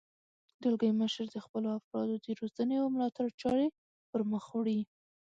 دلګی مشر د خپلو افرادو د روزنې او ملاتړ چارې پرمخ وړي.